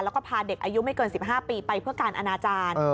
แล้วก็พาเด็กอายุไม่เกิน๑๕ปีไปเพื่อการอนาจารย์